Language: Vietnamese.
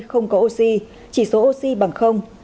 không có oxy chỉ số oxy bằng